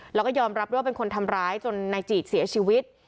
แล้วก็ยอมรับด้วยว่าเป็นคนทำร้ายจนนายจีดเสียชีวิต